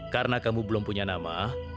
karena kamu belum punya nama